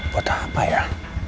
buat apa ya